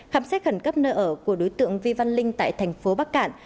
khám xét khẩn cấp nơi ở của đối tượng vi văn linh tại thành phố bắc cạn